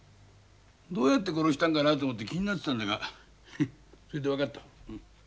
どうやって殺したんかなと思って気になってたんだがそれで分かった。